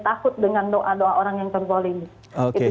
takut dengan doa doa orang yang terzolini